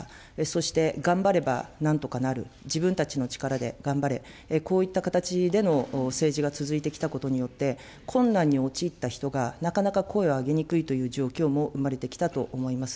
そして頑張ればなんとかなる、自分たちの力で頑張れ、こういった形での政治が続いてきたことによって、困難に陥った人がなかなか声を上げにくいという状況も生まれてきたと思います。